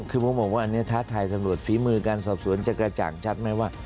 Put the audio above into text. คือผมบอกว่าอันนี้ท้าทายตำรวจฝีมือการสอบสวนจะกระจ่างชัดไหมว่า